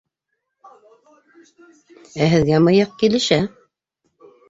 Ә һеҙгә мыйыҡ килешә!